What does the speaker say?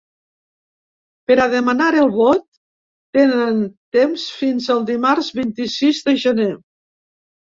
Per a demanar el vot, tenen temps fins el dimarts vint-i-sis de gener.